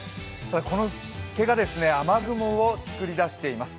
この湿気が雨雲をつくり出しています。